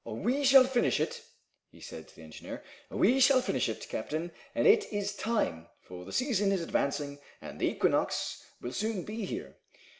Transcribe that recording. "We shall finish it," he said to the engineer, "we shall finish it, captain, and it is time, for the season is advancing and the equinox will soon be here.